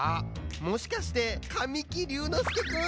もしかして神木隆之介くん？